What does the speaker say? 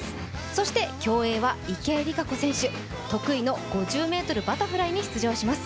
そして競泳は池江璃花子選手得意の５０ｍバタフライに出場します。